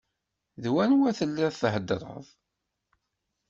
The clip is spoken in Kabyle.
D wanwa telliḍ theddreḍ?